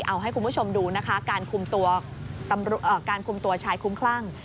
เอาให้คุณผู้ชมดูนะคะการคุมตัวชายคุ้มคลั่ง